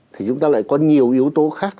thì chúng ta lại có nhiều yếu tố khác